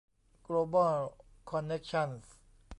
โกลบอล คอนเน็คชั่นส์